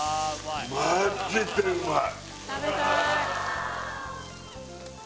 マジでうまいっ！